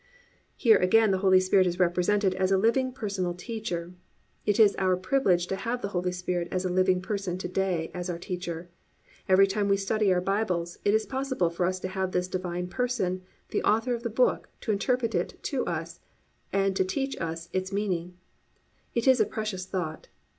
"+ Here again the Holy Spirit is represented as a living personal teacher. It is our privilege to have the Holy Spirit as a living person to day as our teacher. Every time we study our Bibles, it is possible for us to have this Divine Person the author of the Book, to interpret it to us and to teach us its meaning. It is a precious thought.